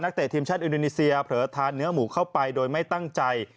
เตะทีมชาติอินโดนีเซียเผลอทานเนื้อหมูเข้าไปโดยไม่ตั้งใจ